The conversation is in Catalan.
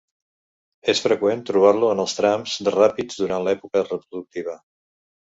És freqüent trobar-lo en els trams de ràpids durant l'època reproductiva.